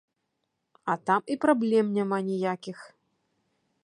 А там і праблем няма ніякіх.